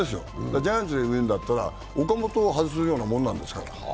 ジャイアンツで言うんだったら岡本を外すようなものですから。